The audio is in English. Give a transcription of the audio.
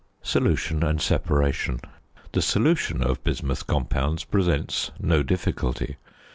~Solution and Separation.~ The solution of bismuth compounds presents no difficulty.